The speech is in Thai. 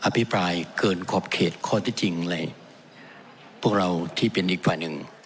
ภิปรายเกินขอบเขตข้อที่จริงในพวกเราที่เป็นอีกฝ่ายหนึ่ง